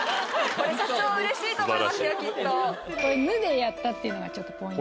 これ社長うれしいと思いますよきっとこれ「ぬ」でやったっていうのがちょっとポイントですね